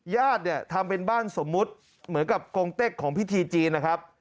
ญาติเนี่ยทำเป็นบ้านสมมุติเหมือนกับกงเต็กของพิธีจีนนะครับ